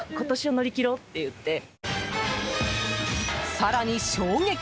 更に、衝撃！